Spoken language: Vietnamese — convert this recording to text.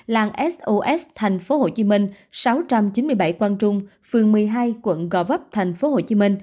làng sos tp hcm sáu trăm chín mươi bảy quang trung phường một mươi hai quận gò vấp tp hcm